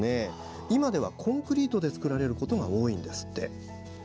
今ではコンクリートで造られることが多いんですって。